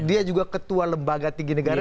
dia juga ketua lembaga tinggi negara